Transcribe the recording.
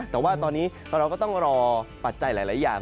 แต่ว่าตอนนี้เราก็ต้องรอปัจจัยหลายอย่าง